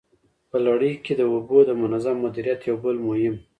په لړۍ کي د اوبو د منظم مديريت يو بل مهم